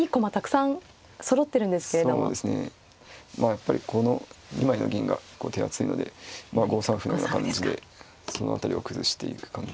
やっぱりこの２枚の銀が手厚いので５三歩のような感じでその辺りを崩していく感じでしょう。